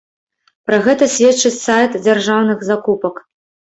Пра гэта сведчыць сайт дзяржаўных закупак.